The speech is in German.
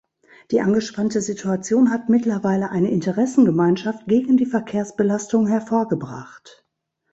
Die angespannte Situation hat mittlerweile eine Interessengemeinschaft gegen die Verkehrsbelastung hervorgebracht.